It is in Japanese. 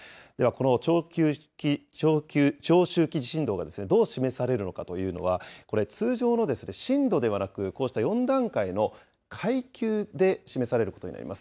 では、この長周期地震動がどう示されるのかというのは、これ、通常の震度ではなく、こうした４段階の階級で示されることになります。